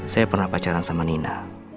saya pernah pacaran sama nina